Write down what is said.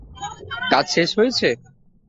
কাজ শেষ হয়েছে?